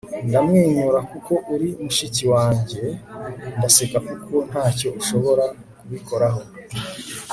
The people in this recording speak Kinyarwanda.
ndamwenyura kuko uri mushiki wanjye. ndaseka kuko ntacyo ushobora kubikoraho